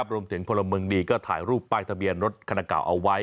พลเมืองดีก็ถ่ายรูปป้ายทะเบียนรถคันเก่าเอาไว้